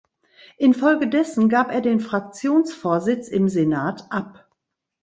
Infolgedessen gab er den Fraktionsvorsitz im Senat ab.